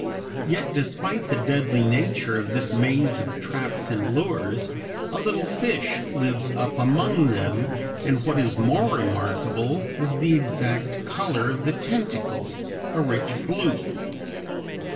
Yet despite the deadly nature of this maze of traps and lures, a little fish lives up among them, and what is more remarkable, is the exact color of the tentacles, a rich blue.